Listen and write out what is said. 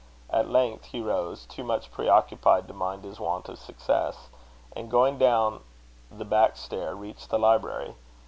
At length he rose, too much preoccupied to mind his want of success; and, going down the back stair, reached the library.